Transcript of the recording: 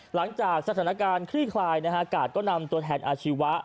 หลังจากสถานการณ์คลี่คลายนะฮะกาดก็นำตัวแทนอาชีวะ